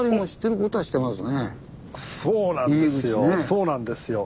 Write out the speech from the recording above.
そうなんですよ。